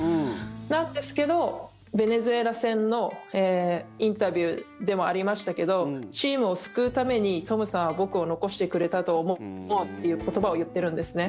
なんですけど、ベネズエラ戦のインタビューでもありましたけどチームを救うために、トムさんは僕を残してくれたと思うという言葉を言っているんですね。